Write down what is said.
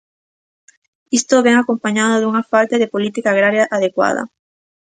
Isto vén acompañado dunha falta de política agraria adecuada.